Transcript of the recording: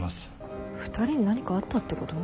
２人に何かあったってこと？